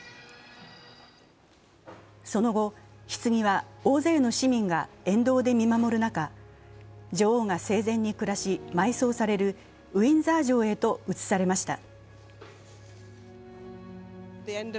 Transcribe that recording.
その後、ひつぎは大勢の市民が沿道で見守る中、女王が生前に暮らし埋葬されるウィンザー城へと移されました。